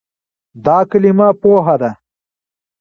دا کلمه "پوهه" ده.